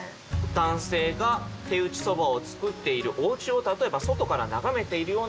男性が手打そばをつくっているおうちを例えば外から眺めているような光景。